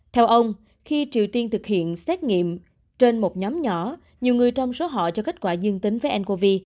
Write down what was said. theo ông khi triều tiên thực hiện xét nghiệm trên một nhóm nhỏ nhiều người trong số họ cho kết quả dương tính với ncov